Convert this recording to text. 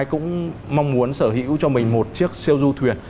cũng mong muốn sở hữu cho mình một chiếc siêu du thuyền